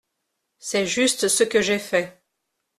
C’est juste ce que j’ai fait.